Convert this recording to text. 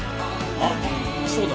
あっそうだ。